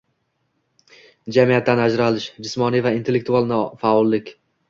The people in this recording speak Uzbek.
jamiyatdan ajralish, jismoniy va intellektual nofaollik